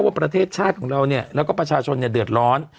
ว่าประเทศชาติของเราเนี่ยแล้วก็ประชาชนเดือดร้อน